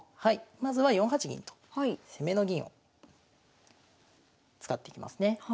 まずは４八銀と攻めの銀を使っていきますね。